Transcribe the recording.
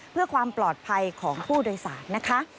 เพื่อความปลอดภัยของผู้โดยสารนะคะ